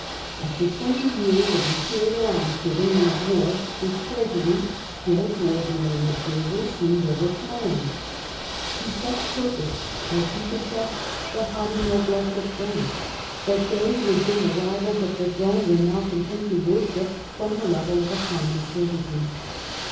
After twenty years of imperial almsgiving and of war his treasury still to ordinary observers seemed overflowing. To such purpose had he depressed the haughty noblesse of France, that they who had been the rivals of the throne were now content to worship from the level of a common servitude.